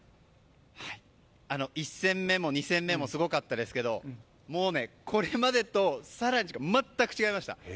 １戦目も２戦目もすごかったですけどこれまでと更に全く違いました。